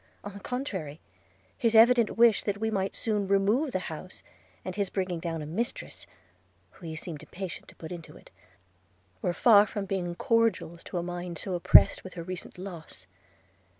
– On the contrary, his evident wish that we might soon remove the house, and his bringing down a mistress, whom he seemed impatient to put into it, were far from being cordials to a mind so oppressed with her recent loss.